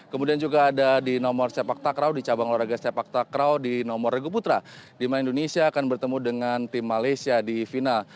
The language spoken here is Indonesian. kemudian juga ada di nomor sepak takraw di cabang olahraga sepak takraw di nomor regu putra di mana indonesia akan bertemu dengan tim malaysia di final